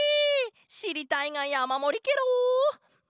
しりたいがやまもりケロ！